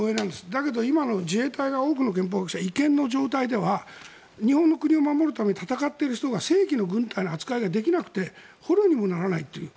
だけど今の自衛隊多くの憲法学者は違憲の状態では日本の国を守るために戦っている人が正規の軍隊の扱いができなくて捕虜にもならないという。